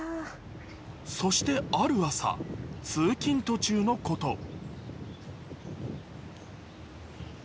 そして、ある朝、通勤途中のこと。